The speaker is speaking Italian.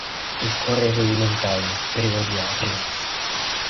Il cuore è rudimentale, privo di atrio.